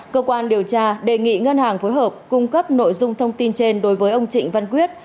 cơ quan điều tra đề nghị ngân hàng phối hợp cung cấp nội dung thông tin trên đối với ông trịnh văn quyết